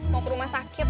mau ke rumah sakit